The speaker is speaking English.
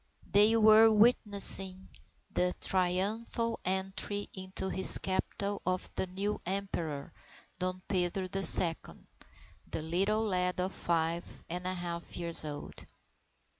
They were witnessing the triumphal entry into his capital of the new Emperor, Dom Pedro the Second, the little lad of five and a half years old.